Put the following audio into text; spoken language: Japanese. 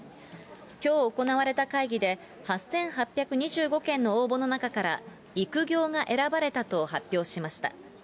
きょう行われた会議で、８８２５件の応募の中から、育業が選ばれたと発表しました。